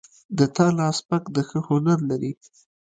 د تا لاس سپک ده ښه هنر لري